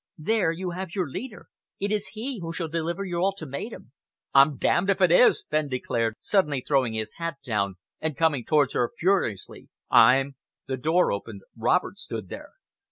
There you have your leader. It is he who shall deliver your ultimatum." "I'm damned if it is!" Fenn declared, suddenly throwing his hat down and coming towards her furiously. "I'm " The door opened. Robert stood there.